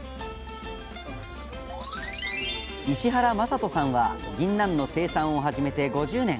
石原正人さんはぎんなんの生産を始めて５０年。